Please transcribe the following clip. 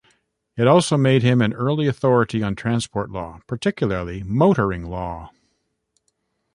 It also made him an early authority on transport law, particularly motoring law.